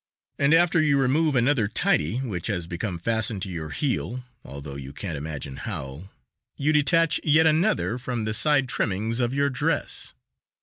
And after you remove another tidy which has become fastened to your heel (although you can't imagine how), you detach yet another from the side trimmings of your dress.